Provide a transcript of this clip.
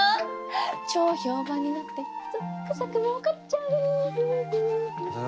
超評判になってザックザクもうかっちゃう！